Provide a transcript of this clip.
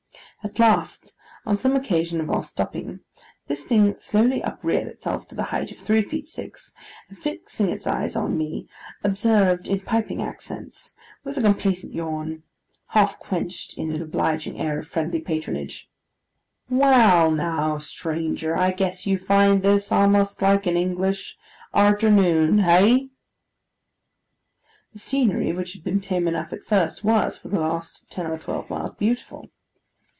At last, on some occasion of our stopping, this thing slowly upreared itself to the height of three feet six, and fixing its eyes on me, observed in piping accents, with a complaisant yawn, half quenched in an obliging air of friendly patronage, 'Well now, stranger, I guess you find this a'most like an English arternoon, hey?' The scenery, which had been tame enough at first, was, for the last ten or twelve miles, beautiful.